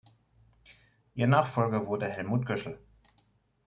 Ihr Nachfolger wurde Helmut Göschel.